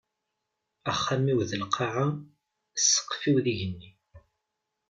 Axxam-iw d lqaɛa, sqef-iw d igenni.